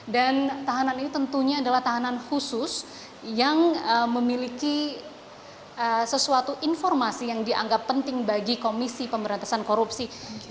dan tahanan ini tentunya adalah tahanan khusus yang memiliki sesuatu informasi yang dianggap penting bagi komisi pemberantasan korupsi